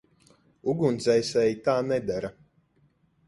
Ugunsdzēsēji tā nedara.